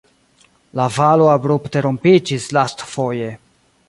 La valo abrupte rompiĝis lastfoje.